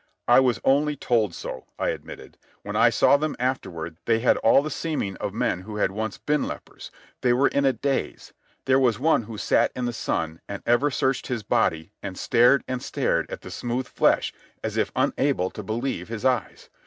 "I was only told so," I admitted. "When I saw them afterward, they had all the seeming of men who had once been lepers. They were in a daze. There was one who sat in the sun and ever searched his body and stared and stared at the smooth flesh as if unable to believe his eyes.